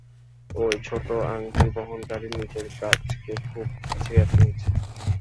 এই ছোট্ট আংটি বহনকারী নিজের কাজকে খুব সিরিয়াসলি নিচ্ছে।